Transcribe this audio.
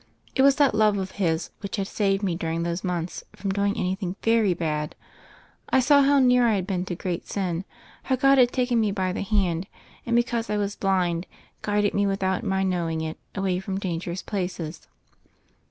It was that love of His which had saved me during those months from doing anything very bad. I saw how near I had been to great sin, and how God had taken me by the hand and, because I was blind, guided me, without my knowing it, away from danger ous places."